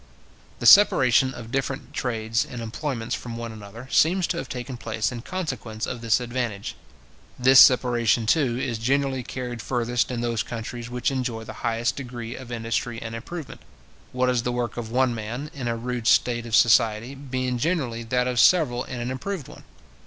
The separation of different trades and employments from one another, seems to have taken place in consequence of this advantage. This separation, too, is generally carried furthest in those countries which enjoy the highest degree of industry and improvement; what is the work of one man, in a rude state of society, being generally that of several in an improved one.